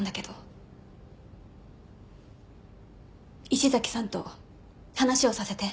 石崎さんと話をさせて。